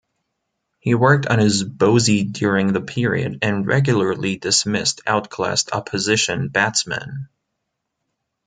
He worked on his bosie during the period and regularly dismissed outclassed opposition batsmen.